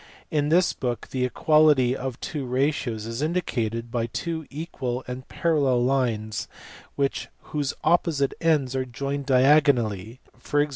In this book the equality of two ratios is indicated by two equal and parallel lines whose opposite ends are joined diagonally, ex.